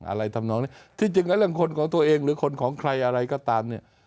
ทำนองนี้ที่จริงแล้วเรื่องคนของตัวเองหรือคนของใครอะไรก็ตามเนี่ย